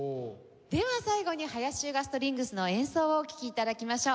では最後に林周雅ストリングスの演奏をお聴き頂きましょう。